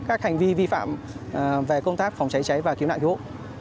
các hành vi vi phạm về công tác phòng cháy cháy và cứu nạn cứu hộ